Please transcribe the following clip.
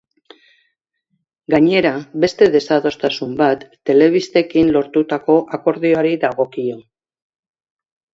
Gainera, beste desadostasun bat telebistekin lortutako akordioari dagokio.